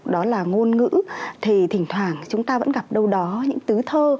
đó là ngôn ngữ thì thỉnh thoảng chúng ta vẫn gặp đâu đó những tứ thơ